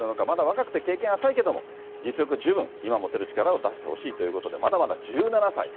まだ若くて経験浅いけども、実力十分、今持てる力を出してほしいということで、まだまだ１７歳。